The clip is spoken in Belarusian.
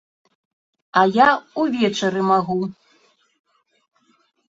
А я ўвечары магу.